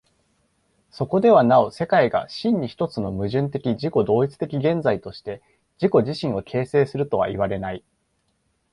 そこではなお世界が真に一つの矛盾的自己同一的現在として自己自身を形成するとはいわれない。